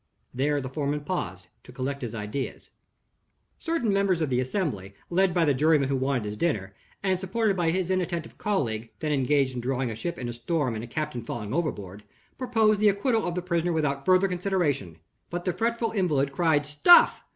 There the foreman paused, to collect his ideas. Certain members of the assembly led by the juryman who wanted his dinner, and supported by his inattentive colleague, then engaged in drawing a ship in a storm, and a captain falling overboard proposed the acquittal of the prisoner without further consideration. But the fretful invalid cried "Stuff!"